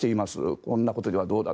こんなことではどうだと。